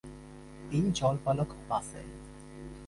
এই জলবালক বাসে।